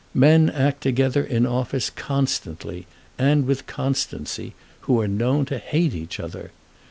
Men act together in office constantly, and with constancy, who are known to hate each other.